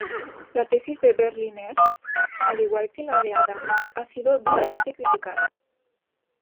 La tesis de Berliner, al igual que la de Adams, ha sido duramente criticada.